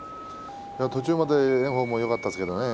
途中まで炎鵬もよかったですけれどもね。